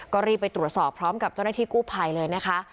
ก็รีบไปตรวจสอบพร้อมกับเจ้าหน้าที่กู้ภัยเลยนะคะ